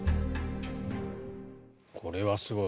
これはすごい。